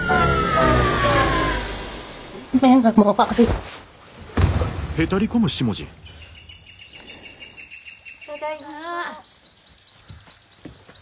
ただいま。